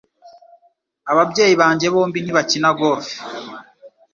Ababyeyi banjye bombi ntibakina golf.